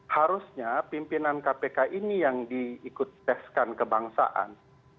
harusnya pimpinan kpk ini yang diikut teskan kebangsaan